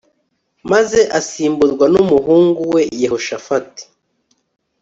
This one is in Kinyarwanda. maze asimburwa numuhungu we Yehoshafati